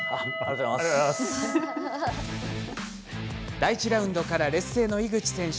第１ラウンドから劣勢の井口選手。